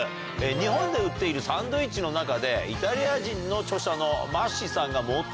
日本で売っているサンドイッチの中でイタリア人の著者の。